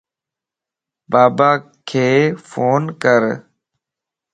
باباک فون ڪَر